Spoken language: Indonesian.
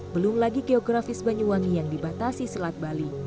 belum lagi geografis banyuwangi yang dibatasi selat bali